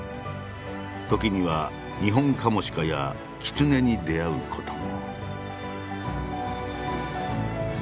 時にはニホンカモシカやキツネに出会うことも。